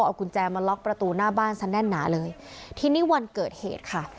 เอากุญแจมาล็อกประตูหน้าบ้านซะแน่นหนาเลยทีนี้วันเกิดเหตุค่ะ